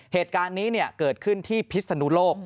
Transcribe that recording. เหตุการณ์นี้เกิดขึ้นที่พิศนุโลก